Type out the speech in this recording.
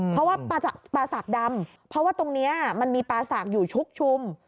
เพราะว่าปลาสากดำเพราะว่าตรงนี้มันมีปลาสากอยู่ชุกชุม